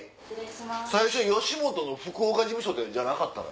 最初吉本の福岡事務所じゃなかったの？